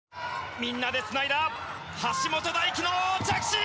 みんなでつないだ橋本大輝の着地！